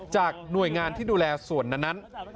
หน่วยงานที่ดูแลส่วนนั้น